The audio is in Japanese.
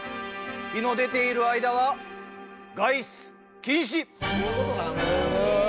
日の出ている間は外出禁止！